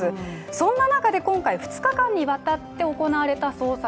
そんな中で今回２日間にわたって行われた捜索。